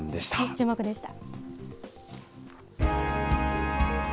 チューモク！でした。